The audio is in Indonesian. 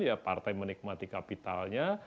ya partai menikmati kapitalnya